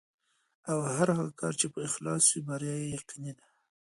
او هر هغه کار چې په اخلاص وي، بریا یې یقیني ده.